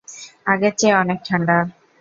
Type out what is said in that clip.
আগের চেয়ে অনেক ঠান্ডা!